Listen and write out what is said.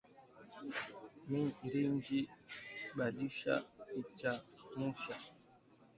Mindji balisha ichamusha